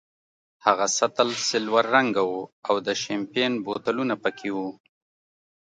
هغه سطل سلور رنګه وو او د شیمپین بوتلونه پکې وو.